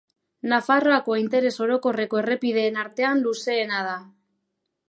Nafarroako interes orokorreko errepideen artean luzeena da.